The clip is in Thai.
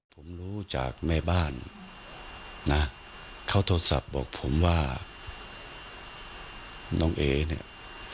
ผมรู้จากแม่บ้านนะเขาโทรศัพท์บอกผมว่าน้องเอเนี่ย